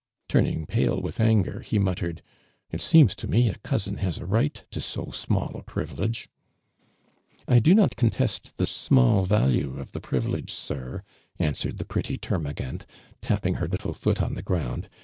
Turning pale with anger, he muttere<l : ••It seems to me a cousin has a right to so r^niall a privilege !"•• I do not contest the small value of the ]>rivilego, sir," answered tho pretty ternia L'ant, tupping her little foot on tlie ground.